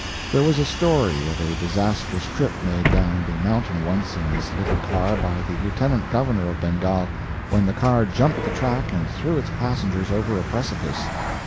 There was a story of a disastrous trip made down the mountain once in this little car by the Lieutenant Governor of Bengal, when the car jumped the track and threw its passengers over a precipice.